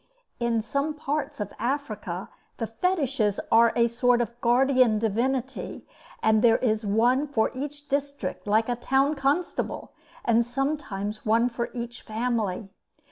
In some parts of Africa the Fetishes are a sort of guardian divinity, and there is one for each district like a town constable; and sometimes one for each family.